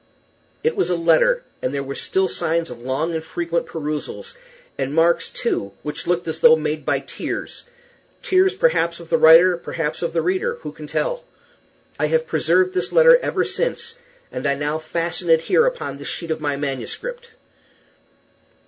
It was a letter, and there were still signs of long and frequent perusals, and marks, too, which looked as though made by tears tears, perhaps of the writer, perhaps of the reader: who can tell? I have preserved this letter ever since, and I now fasten it here upon this sheet of my manuscript.